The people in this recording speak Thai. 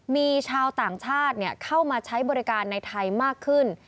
มีชาวต่างชาติเข้ามาใช้บริการในไทยมากขึ้น